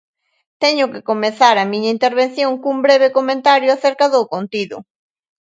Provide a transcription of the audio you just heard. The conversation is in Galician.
Teño que comezar a miña intervención cun breve comentario acerca do contido.